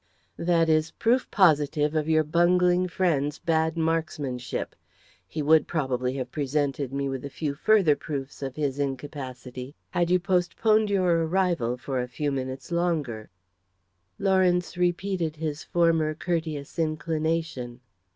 "That is proof positive of your bungling friend's bad markmanship. He would, probably, have presented me with a few further proofs of his incapacity had you postponed your arrival for a few minutes longer." Lawrence repeated his former courteous inclination.